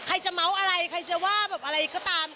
จะเมาส์อะไรใครจะว่าแบบอะไรก็ตาม